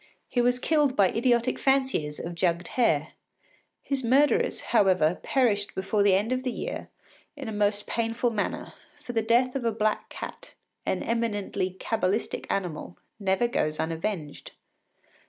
He was killed by idiotic fanciers of jugged hare. His murderers, however, perished before the end of the year in the most painful manner; for the death of a black cat, an eminently cabalistic animal, never goes unavenged.